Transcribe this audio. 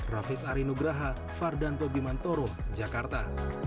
raffi sari nugraha fardanto bimantoro jakarta